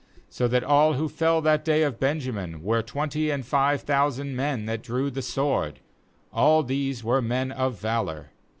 46So that all who fell that day of Benjamin were twenty and five thousand men that drew the sword; all these were men of valour.